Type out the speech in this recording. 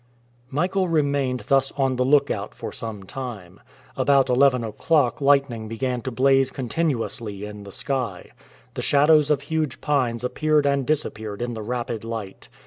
Michael remained thus on the look out for some time. About eleven o'clock lightning began to blaze continuously in the sky. The shadows of huge pines appeared and disappeared in the rapid light.